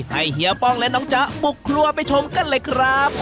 เฮียป้องและน้องจ๊ะบุกครัวไปชมกันเลยครับ